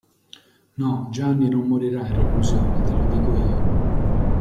No, Gianni non morrà in reclusione, te lo dico io.